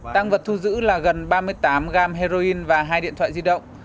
tăng vật thu giữ là gần ba mươi tám g heroin và hai điện thoại di động